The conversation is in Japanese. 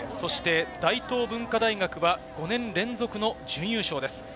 大東文化大学は５年連続の準優勝です。